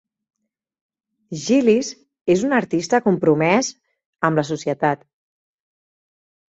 Gillis és un artista compromès amb la societat.